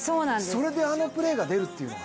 それであのプレーが出るっていうのは。